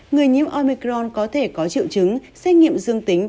người nhiễm omicron có thể có triệu chứng xét nghiệm dương tính